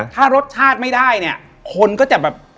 ถ้ารสชาติไม่ได้เนี่ยคนก็จะแบบ